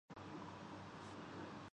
اور یہ دشوار ترین گزر لئے کھلی رہتی ہے ۔